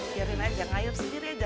biarin aja ngayun sendiri aja